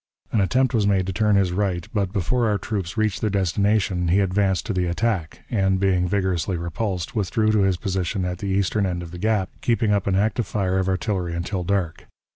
An attempt was made to turn his right, but, before our troops reached their destination, he advanced to the attack, and, being vigorously repulsed, withdrew to his position at the eastern end of the Gap, keeping up an active fire of artillery until dark.